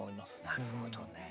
なるほどね。